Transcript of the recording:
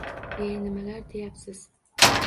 E, nimlar deyapsiz